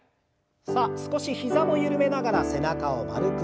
さあ少し膝を緩めながら背中を丸く。